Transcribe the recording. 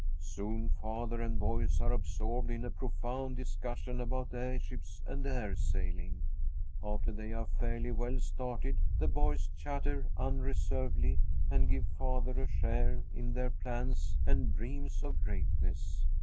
Soon father and boys are absorbed in a profound discussion about airships and air sailing. After they are fairly well started, the boys chatter unreservedly and give father a share in their plans and dreams of greatness.